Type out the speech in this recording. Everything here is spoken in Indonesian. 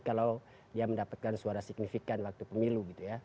kalau dia mendapatkan suara signifikan waktu pemilu gitu ya